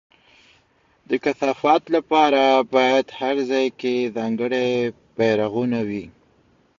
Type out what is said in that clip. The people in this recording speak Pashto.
د کثافاتو لپاره باید په هر ځای کې ځانګړي بېرغونه وي.